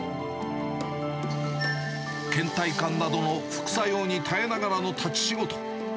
けん怠感などの副作用に耐えながらの立ち仕事。